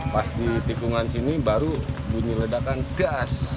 pas ditikungan sini baru bunyi ledakan gas